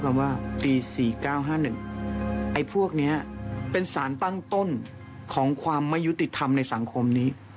ว่าปี๔๙๕๑ไอ้พวกนี้เป็นสารตั้งต้นของความไม่ยุติธรรมในสังคมนี้